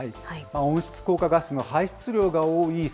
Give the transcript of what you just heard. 温室効果ガスの排出量が多い